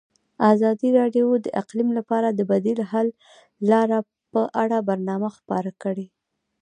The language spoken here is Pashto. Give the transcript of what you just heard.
ازادي راډیو د اقلیم لپاره د بدیل حل لارې په اړه برنامه خپاره کړې.